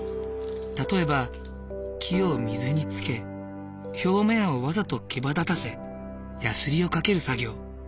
例えば木を水につけ表面をわざとけばだたせヤスリをかける作業。